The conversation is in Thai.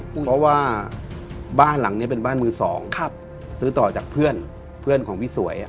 เพราะว่าบ้านหลังนี้เป็นบ้านมือสองซื้อต่อจากเพื่อนเพื่อนของพี่สวย